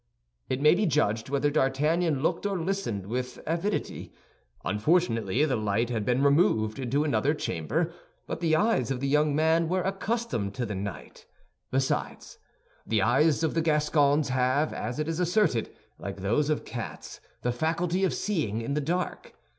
It may be judged whether D'Artagnan looked or listened with avidity. Unfortunately the light had been removed into another chamber; but the eyes of the young man were accustomed to the night. Besides, the eyes of the Gascons have, as it is asserted, like those of cats, the faculty of seeing in the dark.